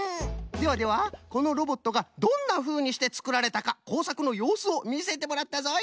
ではではこのロボットがどんなふうにしてつくられたかこうさくのようすをみせてもらったぞい。